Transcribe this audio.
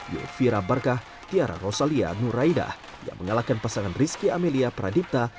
yofira barkah tiara rosalia nuraidah yang mengalahkan pasangan rizky amelia pradipta